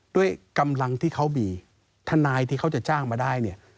ด้วยกำลังที่เขามีทนายที่เขาจะจ้างมาได้เนี่ย